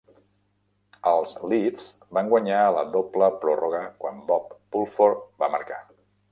Els Leafs van guanyar a la doble pròrroga quan Bob Pulford va marcar.